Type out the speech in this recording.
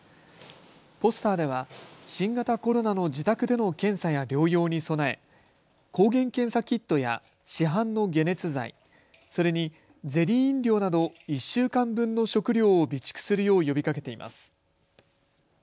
ポスターでは新型コロナの自宅での検査や療養に備え、抗原検査キットや市販の解熱剤、それにゼリー飲料など１週間分の食料を備蓄するよう呼びかけています。